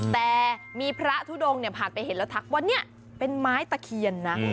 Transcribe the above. แต่มีพระทุดงผ่านไปเห็นแล้วทักว่าเนี่ยเป็นไม้ตะเคียนนะ